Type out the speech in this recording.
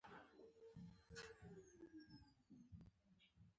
یوازې د نه او هو ځواب ورکړي بله لاره نشته.